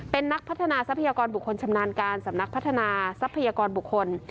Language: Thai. เป็นนักพัฒนาทรัพยากรบุคคลชำนาญการสำนักพัฒนาทรัพยากรบุคคล